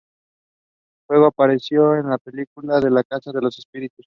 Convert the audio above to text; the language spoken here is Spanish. Luego apareció en la película La casa de los espíritus.